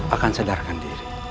akan sedarkan diri